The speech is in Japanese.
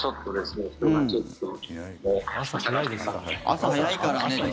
朝早いからね。